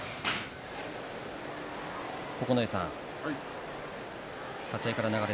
九重さん、立ち合いからの流れ